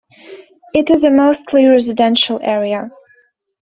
It is a mostly residential area.